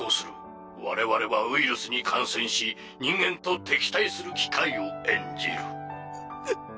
我々はウイルスに感染し人間と敵対する機械を演じる。